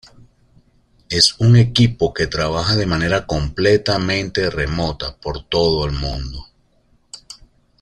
Es un equipo que trabaja de manera completamente remota por todo el mundo.